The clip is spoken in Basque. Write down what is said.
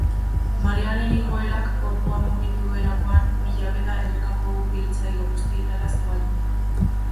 Marearen igoerak gorpua mugitu duelakoan, bilaketa errekako ur biltzaile guztietara zabaldu da.